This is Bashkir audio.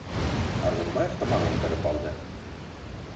Арғынбаев тамағын ҡырып алды: